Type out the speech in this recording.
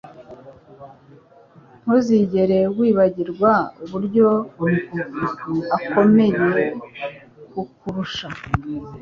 Ntuzigere wibagirwa uburyo akomeye kukurusha